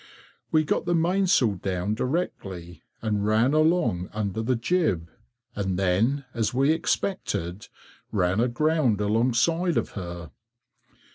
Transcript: We got the mainsail down directly, and ran along under the jib, and then, as we expected, ran aground alongside of her.